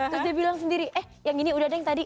terus dia bilang sendiri eh yang ini udah deh yang tadi